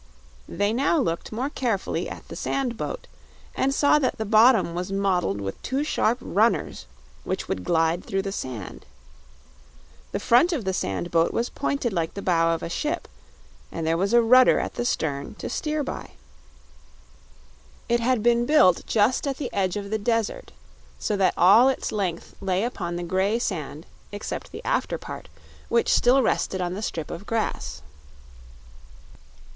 They now looked more carefully at the sand boat, and saw that the bottom was modeled with two sharp runners which would glide through the sand. The front of the sand boat was pointed like the bow of a ship, and there was a rudder at the stern to steer by. It had been built just at the edge of the desert, so that all its length lay upon the gray sand except the after part, which still rested on the strip of grass.